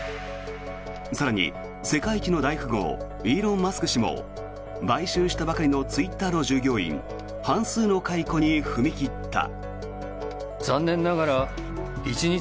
更に、世界一の大富豪イーロン・マスク氏も買収したばかりのツイッターの従業員半数の解雇に踏み切った。